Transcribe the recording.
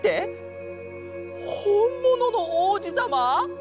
ほんもののおうじさま！？